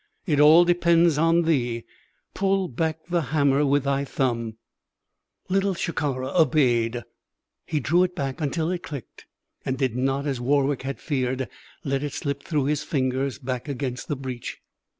"It all depends on thee. Pull back the hammer with thy thumb." Little Shikara obeyed. He drew it back until it clicked and did not, as Warwick had feared, let it slip through his fingers back against the breach.